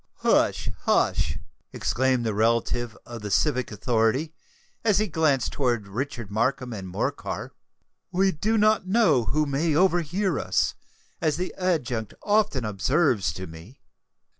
"Hush! hush!" exclaimed the relative of the civic authority, as he glanced towards Richard Markham and Morcar; "we do not know who may overhear us, as the adjunct often observes to me."